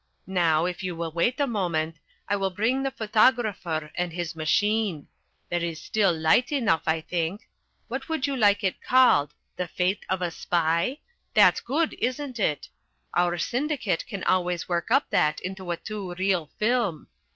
Now, if you will wait a moment, I will bring the photographer and his machine. There is still light enough, I think. What would you like it called? The Fate of a Spy? That's good, isn't it? Our syndicate can always work up that into a two reel film.